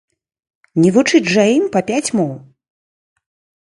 Не вучыць жа ім па пяць моў?